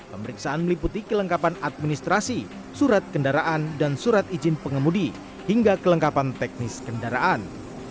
pemeriksaan meliputi kelengkapan administrasi surat kendaraan dan surat izin pengemudi hingga kelengkapan teknis kendaraan